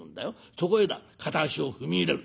そこへだ片足を踏み入れる。